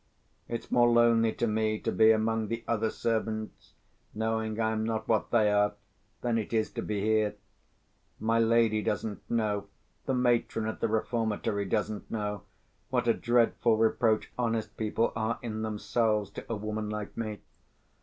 It's more lonely to me to be among the other servants, knowing I am not what they are, than it is to be here. My lady doesn't know, the matron at the reformatory doesn't know, what a dreadful reproach honest people are in themselves to a woman like me.